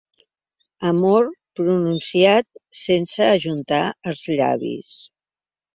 Amor pronunciat sense ajuntar els llavis.